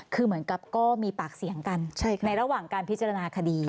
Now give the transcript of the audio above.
คือเหมือนกับก็มีปากเสียงกันในระหว่างการพิจารณาคดี